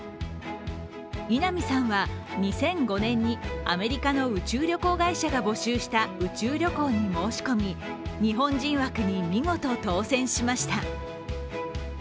稲波さんは２００５年にアメリカの宇宙旅行会社が募集した宇宙旅行に申し込み、日本人枠に見事当選しました。